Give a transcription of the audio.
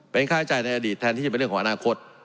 เป็นค่าใช้จ่ายในอดีตแทนที่จะเป็นเรื่องของอนาคต